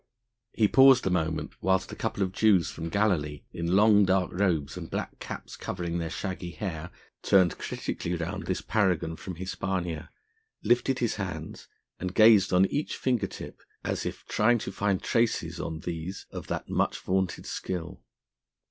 He paused a moment whilst a couple of Jews from Galilee, in long dark robes and black caps covering their shaggy hair, turned critically round this paragon from Hispania, lifted his hands and gazed on each finger tip as if trying to find traces on these of that much vaunted skill.